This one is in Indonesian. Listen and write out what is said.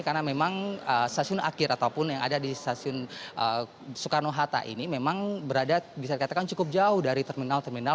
karena memang stasiun akhir ataupun yang ada di stasiun soekarno hatta ini memang berada bisa dikatakan cukup jauh dari terminal terminal